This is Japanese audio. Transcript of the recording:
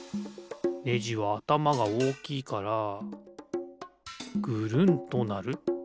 ネジはあたまがおおきいからぐるんとなる。